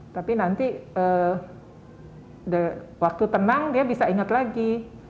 tapi nanti waktu tenang dia bisa ingat lagi